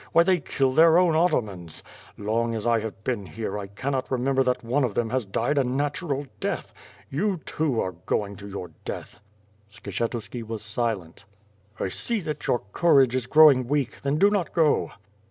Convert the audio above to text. Why, they kill their own atamans. Long as I have been here, I cannot remember that one of them has died a natural death. You, too, are going to your death." Skshetuski was silent. "I see that your courage is growing weak; then do not go."